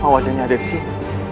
apa wajahnya ada disini